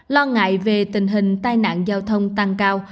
lo ngại về tình hình tai nạn giao thông tăng cao